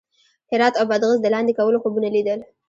هرات او بادغیس د لاندې کولو خوبونه لیدل.